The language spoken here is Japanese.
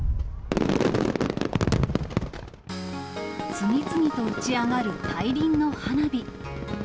次々と打ち上がる大輪の花火。